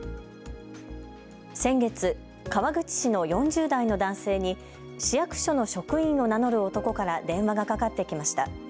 先月、川口市の４０代の男性に市役所の職員を名乗る男から電話がかかってきました。